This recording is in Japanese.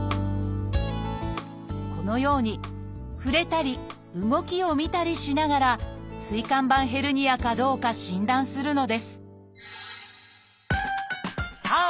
このように触れたり動きを見たりしながら椎間板ヘルニアかどうか診断するのですさあ